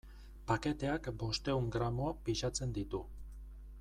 Paketeak bostehun gramo pisatzen ditu.